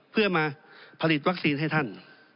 เพื่อมาผลิตวัคซีนให้ท่าน